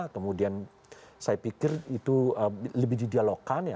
kemudian saya pikir itu lebih didialogkan ya